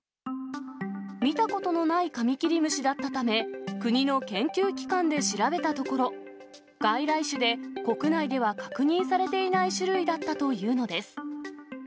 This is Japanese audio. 見たことのないカミキリムシだったため、国の研究機関で調べたところ、外来種で、国内では確認されていない種類だったというのです。